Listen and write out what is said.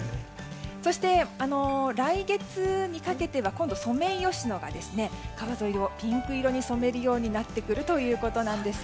そして、来月にかけては今度はソメイヨシノが川沿いをピンク色に染めるようになるということです。